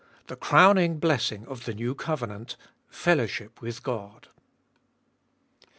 THE CROWNING BLESSING OF THE NEW COVENANT FELLOWSHIP WITH GOD.